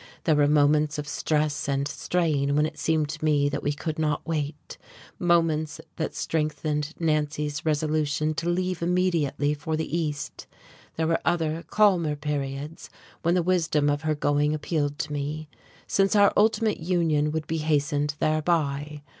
There were moments of stress and strain when it seemed to me that we could not wait, moments that strengthened Nancy's resolution to leave immediately for the East: there were other, calmer periods when the wisdom of her going appealed to me, since our ultimate union would be hastened thereby.